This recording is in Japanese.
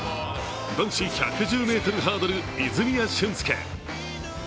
男子１１０ｍハードル、泉谷駿介。